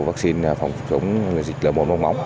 vaccine phòng chống dịch lở mồm long móng